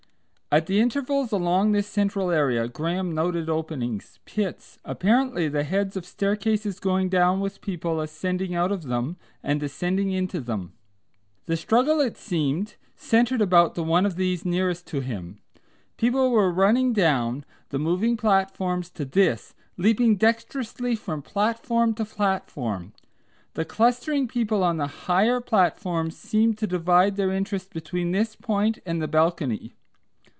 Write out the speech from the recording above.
At the intervals along this central area Graham noted openings, pits, apparently the heads of staircases going down with people ascending out of them and descending into them. The struggle it seemed centred about the one of these nearest to him. People were running down the moving platforms to this, leaping dexterously from platform to platform. The clustering people on the higher platforms seemed to divide their interest between this point and the balcony.